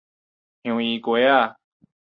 香櫞瓜仔